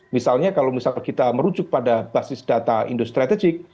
misalnya kalau misal kita merujuk pada basis data indo strategik